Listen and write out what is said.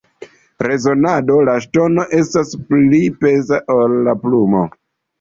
Rezonado: La ŝtono estas pli peza ol la plumo.